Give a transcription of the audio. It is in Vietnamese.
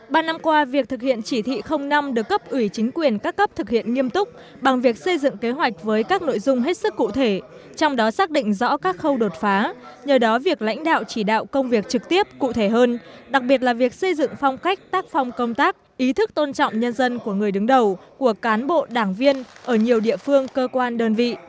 ban năm qua việc thực hiện chỉ thị năm được cấp ủy chính quyền các cấp thực hiện nghiêm túc bằng việc xây dựng kế hoạch với các nội dung hết sức cụ thể trong đó xác định rõ các khâu đột phá nhờ đó việc lãnh đạo chỉ đạo công việc trực tiếp cụ thể hơn đặc biệt là việc xây dựng phong cách tác phong công tác ý thức tôn trọng nhân dân của người đứng đầu của cán bộ đảng viên ở nhiều địa phương cơ quan đơn vị